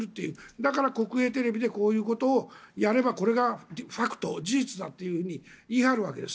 だから国営テレビでこういうことをやればこれがファクト、事実だというふうに言い張るわけです。